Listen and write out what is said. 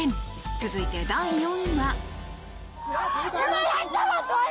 続いて、第４位は。